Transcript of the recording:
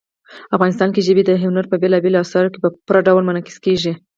افغانستان کې ژبې د هنر په بېلابېلو اثارو کې په پوره ډول منعکس کېږي.